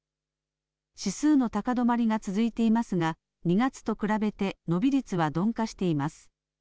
指数の高止まりが続いていますが２月と比べて伸び率は鈍化しています。